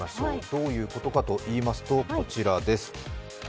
どういうことかといいますと、こちらです。